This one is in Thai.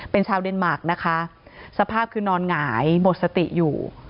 เป็นชาวเดนมาร์คนะคะสภาพคือนอนหงายหมดสติอยู่